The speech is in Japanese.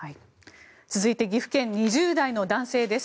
続いて岐阜県、２０代の男性です。